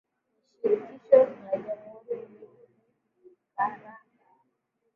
ni shirikisho la jamhuri Mji mkuu ni Caracas